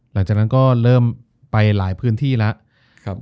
หลังจากนั้นก็เริ่มไปหลายพื้นที่แล้วครับ